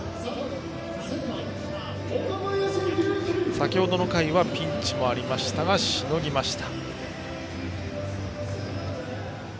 先程の回はピンチもありましたがしのぎました。